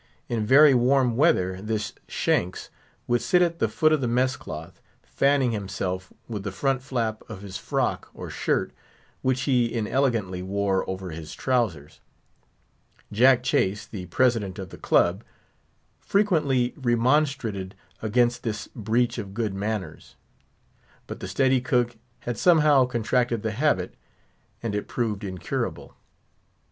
In very warm weather this Shanks would sit at the foot of the mess cloth, fanning himself with the front flap of his frock or shirt, which he inelegantly wore over his trousers. Jack Chase, the President of the Club, frequently remonstrated against this breach of good manners; but the steady cook had somehow contracted the habit, and it proved incurable.